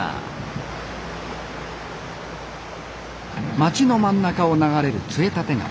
町の真ん中を流れる杖立川。